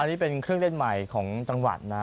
นี่เป็นเครื่องเล่นใหม่ของจังหวัดนะ